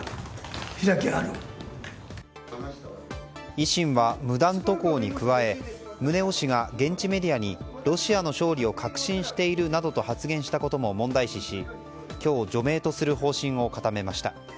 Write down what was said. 維新は無断渡航に加え宗男氏が現地メディアにロシアの勝利を確信しているなどと発言したことも問題視し今日、除名とする方針を固めました。